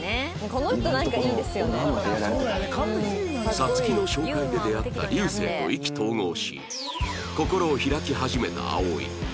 皐月の紹介で出会った流星と意気投合し心を開き始めた葵